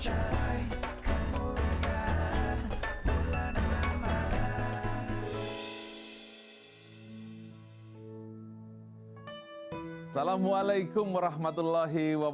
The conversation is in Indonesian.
assalamualaikum wr wb